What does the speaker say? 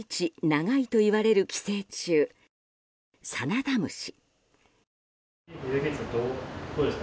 長いといわれる寄生虫サナダムシ。